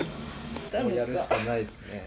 やるしかないですね。